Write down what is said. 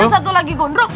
yang satu lagi gondrok